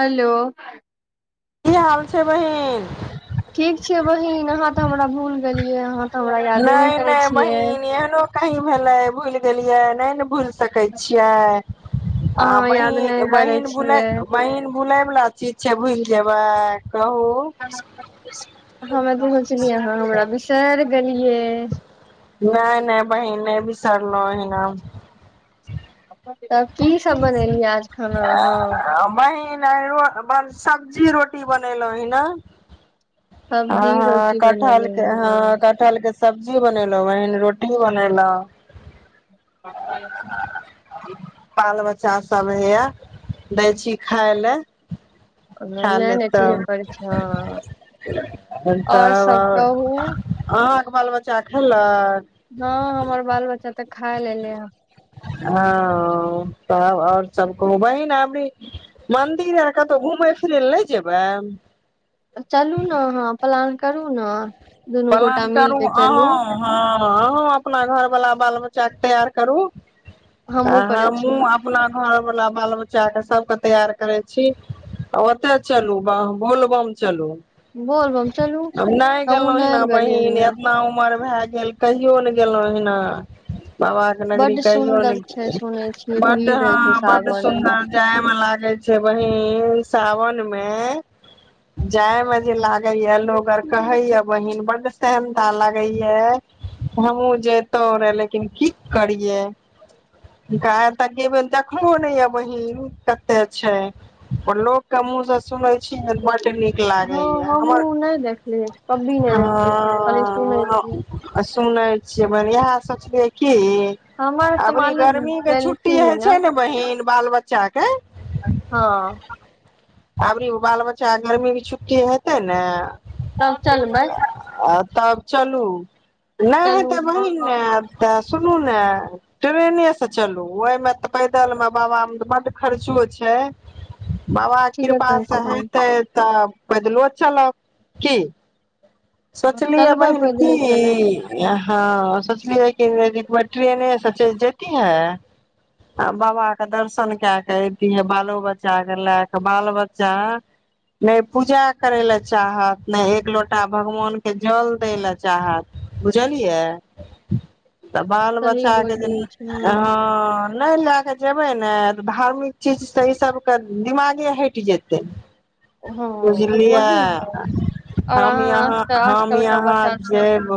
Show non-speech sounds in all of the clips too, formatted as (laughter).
Hello की हाल छै बहिन ठीक छै बहिन अहाँ तऽ हमरा भूल गेलियै अहाँ तऽ हमरा यादे नहि करै नहि छियै बहिन एहनो कहीं भेलै भूलि गेलियै नहि ने भूलि सकै छियै आ अहाँ याद नहि बहिन करै बहिन भुलै छियै बहिन भुलै बला चीज छै भुलि जेबै कहू हमे तऽ सोचलियै अहाँ हमरा बिसरि छियै नहि नहि बहिन नहि बिसरलहु एहिना तब कीसभ बनेलियै आज खाना अहाँ सब्जी रोटी बनेलहु ही ने सब्जी हँ हँ रोटी बनेली कठहलके हँ नहि कठहलके स सब्जी बनेलहु बहिन रोटी बनेलहु (unintelligible) बाल बच्चा सभ हइए दै छी खाय लए नहि नहि ठीके करै छियै आओर सभ कहू तब अहाँके बाल बच्चा खेलक हँ हमर बाल बच्चा तऽ खा लेलै हें हँ-अ तब आओर सब कहू बहिन अबरि मन्दिर आओर कतहु घूमै फिरै लए नहि जेबैन चलू न अहाँ प्लान करू न प्लान करू अहाँ हँ अंहूँ अपना घरवला बाल बच- -चा के तैयार करू आ हमहुँ करै हमहूँ छियै अपना घर वाला बाल बच्चा के सबके तैयार करै छी आ ओतै चलु बोलबम चलु बोलबम चलू हमहूँ हिना नहि गेलियै बहिन हन एतना उम- -र भए गेल कहियो ने गेलहुँ एहिना बाबा के नगरी बड कहियो ने सुन्दर छै सुनै छियै बड्ड भीड़ रहै छै हँ बड्ड सावन मे सुंदर जाइ मे लागे छै बहिंन सावन मे जाइमे जे लागै या लोग आर कहै या बहिन बड्ड सेहनता लागै या हमहूँ जेयतौ रां लेकिन की करियै गाइर त गेबे देखलो नै या बहिन कते छै लोक कें मुंह सँ सुन छी बड्ड नीक हँ हँ हमहूँ नहि देखलियै कभी नहि देखलियै खाली सुनै ह छियै आ सुनय छियै बहिन इहै सोचलियै कि हमर तऽ एबरी मालिक गर्मी के छुट्टी गेलखिन है छै ने बहिन बाल बच्चा के हँ अबरी बाल बच्चा गरमी भी छुट्टी हेतै ने तब चलबै तब चलू नहि चलू हेतै हँ बहिन हँ ने तऽ सुनू ने ट्रेने से चलू ओहिमे तऽ पैदल मे बाबामे तऽ बड्ड खर्चो छै बाबा ठीके कहै छै कृपासँ बहिन हेतै तऽ पैदलो चलब की सोचलियै चलबै बहिन की पैदले चले हँ सोचलियै कि ट्रेने से चल जेती हे आ बाबा के दर्शन कऽ के एतीहे बालो बच्चा के लए कऽ बाल बच्चा ने पूजा करे ले चाहत ने एक लो टा भगवानके जल दै लए चाहत बुझलियै तऽ बाल सही बच्चा के जे बोलले छै निक हँ नहि लए कऽ जेबै नेऽ धार्मिक चीज तऽ ई सभके दिमागे हटि जेतै हँ बुझलियै वही ने और हम अहाँ यहाँ आजकल हम आजकल का यहाँ बच्चा छै जेब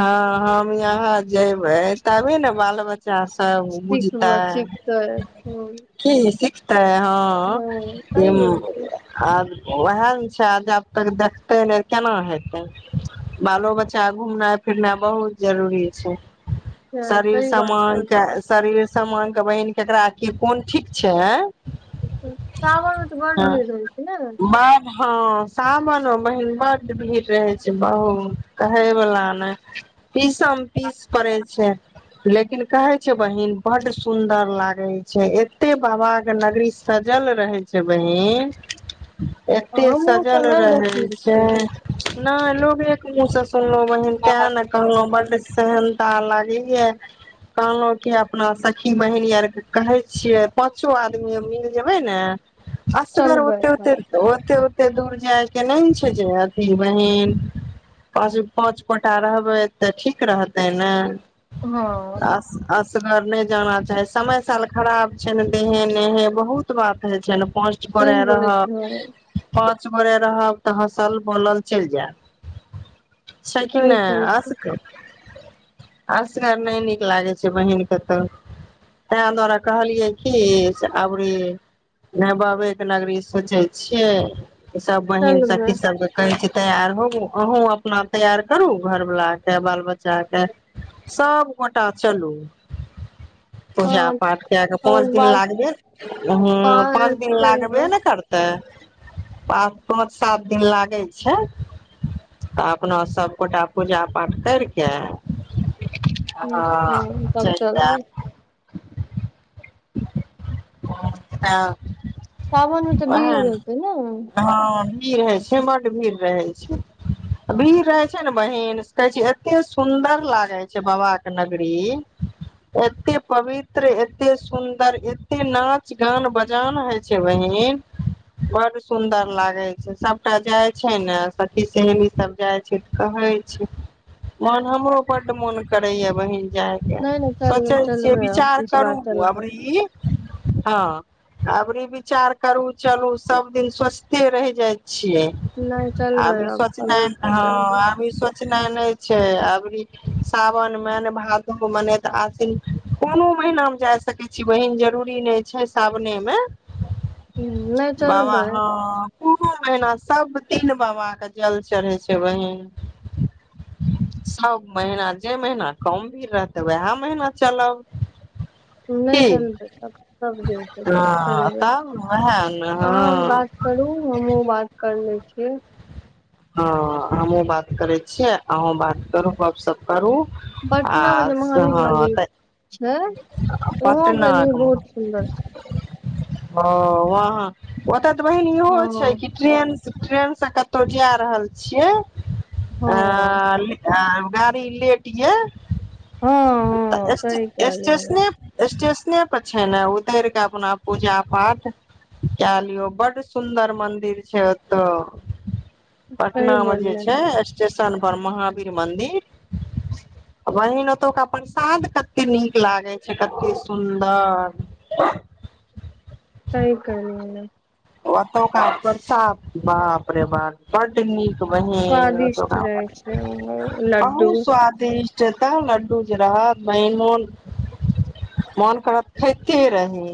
हँ हम यहाँ जेयबै तभे ने बाल बच्चा चा सब सिख बुझतै सिखतै ह कि ठीक तऽ हँ सही बोलै छियै आओर ओएह ने छै जब तक देखतै ने केना हेतै बालो बच्चा घुमनाइ फिरनाइ बहुत जरूरी छै शरीर सही बात छै समांग शरीर समांग के बहिन केकरा के कोन ठीक छै सावनमे तऽ बड भीड़ रहै छै ने बड हँ सावनमे बहिन बड्ड भीड़ रहै छै बहुत कहय वला ने पीसम पीस पड़ै छै लेकिन कहे छै बहिन बड सुन्दर लागे छै एते बाबाक नगरी सजल रहे छै बहिन एते हमहूँ सजल रहै छै नहि लोग एक मुँहसँ सुनलहुं बहिन तेँ ने छियै कहलौं बड सेहन ता लागैये कहलहुँ कि अपना सखी बहिन आर के कहै छियै पाँचो आदमी मिल जेबै ने असगार चलबै ओते सब ओते ओते एते दूर जाय के नहि छै जे अथी बहिन पाँच पाँच गोटा रहबै तऽ ठीक रहतै ने हँ आ आ सगर नहि जाना चाही समय साल खराब छै ने देहे नेहे बहुत बात हे छै ने पांच सही गोटय बोलै छी रहब पाँच गोरे रहब तऽ हँसल बोलल चलि जायब छै कि सही ने कहै छी असगर असगर नहि नीक लागे छै बहिन कतौ तऽ तेँ दुआरे कहलियै कि से अबरी बाबेके नगरी सोचै छी के सब बहिन सखी चलबै सबके कहै छियै तैयार होब अहूँ अपना तैयार करू घरवलाके बाल बच्चाके सभगोटा चलू पूजा हँ पाठ कए कऽ और पाँच दिन बात लागबे ह पाँच दिन लागबे ने करतै पाँच पाँच सात दिन लागै छै तऽ अपना सभगोटा पूजा पाठ करि कऽ ठीक छै तब चलबै हँ सावन मे तऽ भीड़ रहय छै ने हँ भीड़ हय छै बड भीड़ रहे छै भीड़ रहे छै ने बहिन से कहे छै एते सुदर लागे छै बाबाके नगरी एते पवित्र एते सुन्दर एते नाच गान बजान हे छै बहिन बड सुन्दर लागे छै सबटा जाय छै ने सखी सहेली सब जाय छै तऽ कहे छै मन हमरो बड मोन करे या बहिन जाके नहि नहि चल सोचै छियै चलबै अब विचार इस बार करू चलबै अबरी हँ अबरी विचार करू चलू सब दिन सोचिते रहि जाइत छियै नहि चलबै आब ई अब सोचनाय अभी नहि तऽ हँ चलबै आब ई सोचनाय नहि छी छै अबरी सावन मे ने भादो मे ने तऽ आसिन कोनो महिना मे जाय सकै छी बहिन जरूरी नहि छै सावने मे ह नहि बाबा चलबै हँ कोनो महिना सब दिन बाबा के जल चढ़े छै बहिन सब महीना जे महीना कम भीड़ रहतै वहाए महीना चलब नहि की चलबै सबदिन चलबै हँ चलबै तब वएह ने अहाँ हँ बात करू हमहूँ बात कर- चलै छियै हँ हमहुँ बात करै छियै अहूँ बात करू गपसप करू आ पटनामे जे महावीर हँ मन्दिर तऽ छै ओह गेलियै बहुत सुन्दर छै हँ ओहाँ ओतऽ बहिन इहो हँ छै हँ की ट्रेन ट्रेन स कतओ जायत रहल छियै हँ आ- लि आ गाड़ी लेट या त हँ सही स्टे कहलियै हन स्टेशने स्टेश- -ने पर छै ने उतर कऽ अपना पूजा पाठ कए लियौ बड्ड सुन्दर मंदिर छै ओतौ पटना सही मे जे बोललियै छै हन स्टेशन। र महावीर मन्दिर वह ने त क। प्रसाद कते नीक लागे छै कते सुन्दर। कइ कहल। ओ त कात करता बाप रे बाप बड नीक। बही स्वादिष्ट रहे छै लड्डू बहुत स्वादिष्ट। जे तऽ लड्डू जे रहत मेन मोन मोन करत खते रही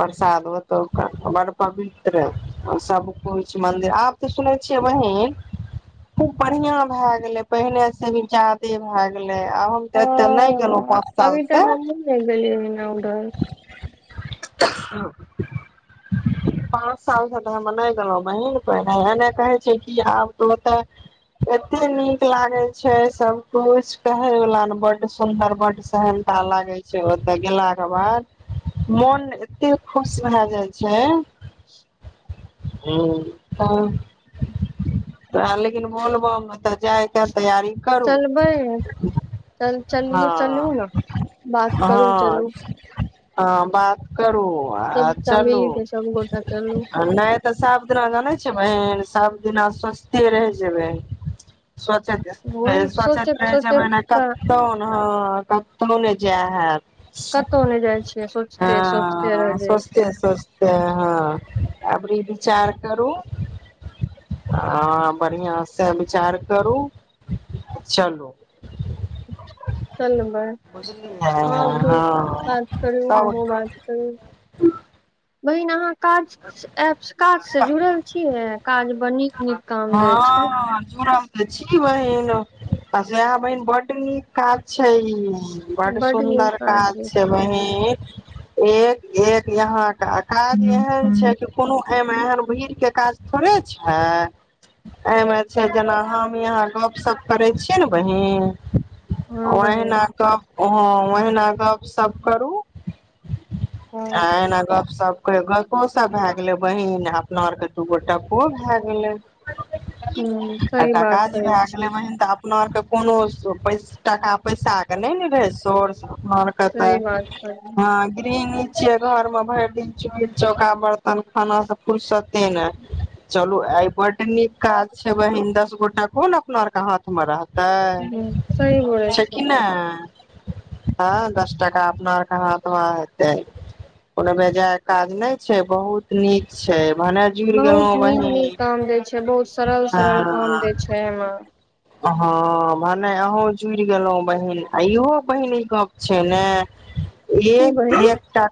प्रसाद ओत। बड़ पवित्र सबकुछ मंदिर आब तऽ सुन छियै बहिीन खूब बढ़िया भए गेले पहिने से भी जाादे भए गेले। नहि आ तऽ अत नहि करब हँ पाँच साल अभी से। तऽ हमहुँ नै गेलियै हन उधर (unintelligible) पाँच साल से तऽ हम नहि गेलहु बहीन प एने कहे छै कि आब तऽ ओते एते नीक लागे छै सब कछ कहे वला ने बड सुन्दर बड सहनता लागे छै ओते गेला के बाद मन एते खुश भए जाय छै। छै तऽ लेकिन बोलबममे तऽ जाय। तैयारी करू चलबै चल चलिये चलू हँ ने बात करू हँ। चलू हँ बात करू। आ (unintelligible) चलू के सब गोटा चलू आ नहि तऽ साफ दिना जानै छै बहन। सभ दिना स्वस्थे रहि जेबै। स्वच के, वही सोचैत सोचके सोचैत जमाना तऽ कतौ, हं कतौ नहि जय ह। कतहु नहि जाइ छियै सोचते सोचते रह जे। स सस्त हँ। अबरी विचार करू आ बढ़आं से विचार करू चलू। चलबै बुझलियै अहाँ भी हँ बात करू सब हमहूँ बात करू। बहिनाहाँ। काज एप काज से जुड़ल छियै काज। बनी। हँ जूरा। त छी बहिन आ सय बहिन बड्ड नीक काज छै ई। बड सुन्दर काज छै बहीन। एक एक यहाँ। काज एहन छै कि कोनो। एहिमे एहन भीड़ के काज थोड़े छै। एहिमे छै जेना हम यहाँ गपशप करै छियै ने बहिीन। हँ ओह न बहिन क। ह ओहिना गप सब करू। आ हँ एना गप करै गपो सब भाए भऽ गेलै बहिन अपना आर के दू गोटा पै ओ भए गेलै ह्म आ सही टाका बात जे करै भए गेलै छी बहिन तऽ अपना आरके कोनो टाका पैसाके नहि ने रहै सोर्स हमरा आर के तऽ सही बात कह ह ग्रीन छियै घर मे भरि दिन चूल चौखा बर्तन खाना से फुरसते ने चलू आय बड निक काज छै बहिन दस गो गो टको ने अपना आर के हाथ मे रहत सही तऽ बोलै छै छी कि ने हँ दस टाका अपना आरके हाथ मे हेतै कोनो बेजाय काज नहि छै बहुत नीक छै भने जुर गेलहु बहुत नीक नीक बहिन काम दै बहुत सरल सरल काम हँ देय छै एहिमे हँ भने अहूँ जुड़ि गेलहुँ बहिन आ इहो बहिन ई गप छै ने की एक बहिन एकटा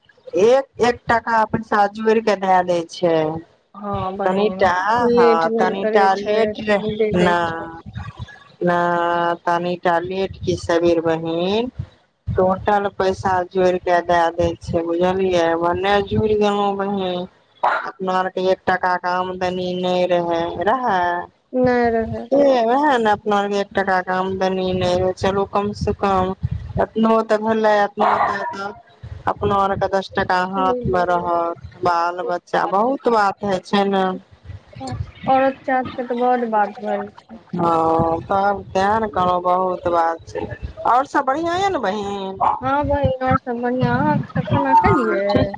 एक एक टाका पैसा जोड़ि के दए दै छै हँ बहिन तनिटा हँ लेट नहि करै तनिटा छै लेट दे न दै छै न तनिटा लेट कि सबेर बहिन टोटल पैसा जोड़िक दए दै छै बुझलियै भन्ने जुड़ि गेलहु बहिन अपना आरके एक टका के आमदनी नहि रहे रहे नहि रहै ओहे ने अपना आर एक टका के आमदनी नहि होइ चलू कम से कम एतना तऽ भेलै अपना आरके अपना आरके दस टका सही हाथ मे बोलले रहत बाल बच्चा बहुत बात हे छै ने औरत जात के तऽ बड बात भेल छै हँ तब तें ने कहलहु बहुत बात छै और सब बढ़िया यै ने बहिन हँ बहिन आओर सभ बढ़िआँ अहाँसभ खाना खेलियै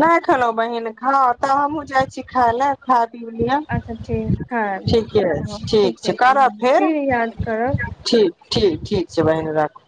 नहि खेलौं बहिन हँ तऽ हमहुँ जाइ छी खाय ले खा अच्छा ठीक खायब ठीके हँ छै ठीक छै ठीके करब फेर फिर याद करब ठीक ठीक ठीक छै बहिने राखू